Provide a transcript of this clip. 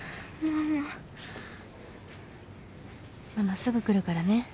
ママすぐ来るからね。